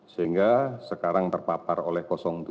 sehingga sekarang terpapar oleh tujuh